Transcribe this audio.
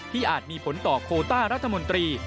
อาจมีผลต่อโคต้ารัฐมนตรี